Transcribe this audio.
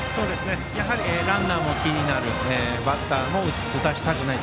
やはりランナーも気になるバッターも打たせたくない。